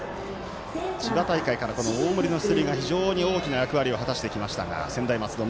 千葉大会から大森の出塁が非常に大きな役割を果たしてきました。